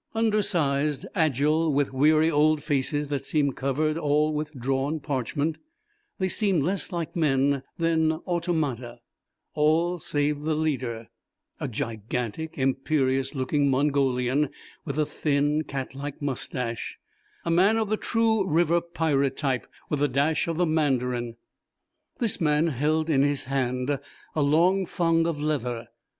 Undersized, agile, with weary old faces that seemed covered with drawn parchment, they seemed less like men than automata; all save the leader, a gigantic, imperious looking Mongolian with a thin cat like moustache, a man of the true river pirate type with a dash of the Mandarin. This man held in his hand a long thong of leather.